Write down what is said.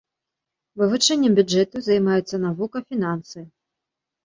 Вывучэннем бюджэту займаецца навука фінансы.